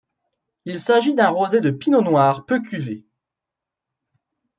Il s'agit d'un rosé de pinot noir peu cuvé.